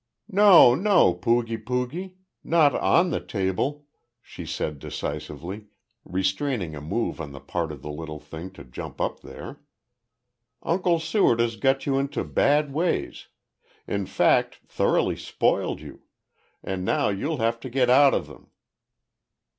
"No, no, pooge pooge, not on the table," she said decisively, restraining a move on the part of the little thing to jump up there. "Uncle Seward has got you into bad ways in fact, thoroughly spoiled you and now you'll have to get out of them."